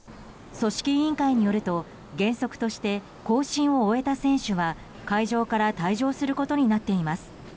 組織委員会によると原則として行進を終えた選手は会場から退場することになっています。